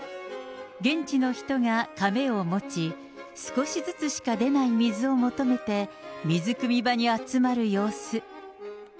現地の人がかめを持ち、少しずつしか出ない水を求めて水くみ場に集まる様子。